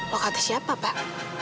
lo kata siapa pak